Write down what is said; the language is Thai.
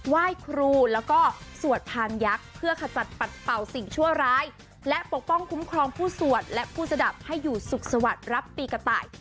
ไหว้ครูแล้วก็สวดพานยักษ์เพื่อขจัดปัดเป่าสิ่งชั่วร้ายและปกป้องคุ้มครองผู้สวดและผู้สดับให้อยู่สุขสวัสดิ์รับปีกระต่าย